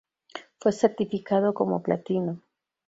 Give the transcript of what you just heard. Fue certificado como Platino.